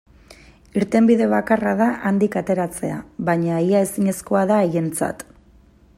Irtenbide bakarra da handik ateratzea, baina ia ezinezkoa da haientzat.